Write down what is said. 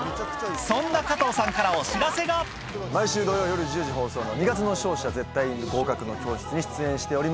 そんな加藤さんからお知らせが毎週土曜夜１０時放送の『二月の勝者−絶対合格の教室−』に出演しております。